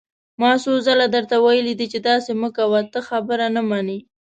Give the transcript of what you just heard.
ما څو ځله درته ويلي دي چې داسې مه کوه، ته خبره نه منې!